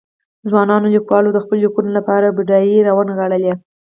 ځوانو ليکوالو د خپلو ليکنو لپاره بډې را ونغاړلې.